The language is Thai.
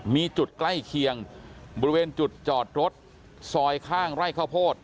มีจุดใกล้เคียงบริเวณจุดจอดรถซอยข้างไร่ข้าวโพด